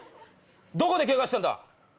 どこでケガしたんだ？